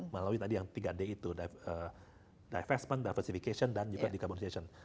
melalui tadi yang tiga d itu divestment diversifikasi dan juga decoborzation